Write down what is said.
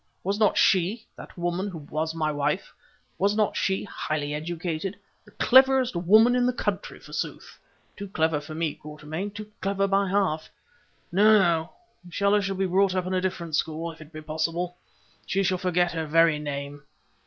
Was not she—that woman who was my wife—was not she highly educated?—the cleverest woman in the country forsooth. Too clever for me, Quatermain—too clever by half! No, no, Stella shall be brought up in a different school; if it be possible, she shall forget her very name.